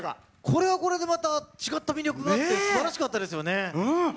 これはこれでまた違った魅力があってすばらしかったですよね。